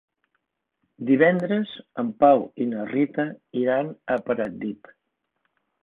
Divendres en Pau i na Rita iran a Pratdip.